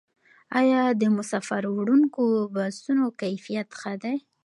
آیا د مسافروړونکو بسونو کیفیت ښه دی؟